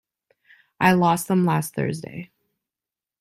I lost them last Thursday.